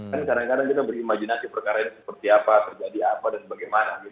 kan kadang kadang kita berimajinasi perkara ini seperti apa terjadi apa dan bagaimana